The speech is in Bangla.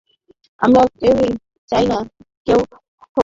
আমরা কেউই চাইনা কেউ আহত হোক!